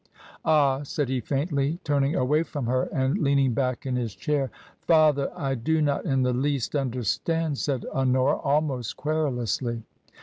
"Ah!" said he, faintly, turning away from her and leaning back in his chair. " Father ! I do not in the least understand !" said Honora, almost querulously.